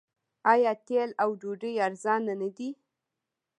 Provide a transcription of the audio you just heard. آیا تیل او ډوډۍ ارزانه نه دي؟